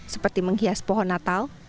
seperti menghias pohon natal